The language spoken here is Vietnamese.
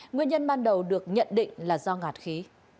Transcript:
nguyên nhân ban đầu được nhận định là do ngạt khí